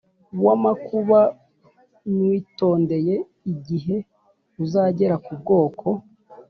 W amakuba nywitondeye igihe uzagera ku bwoko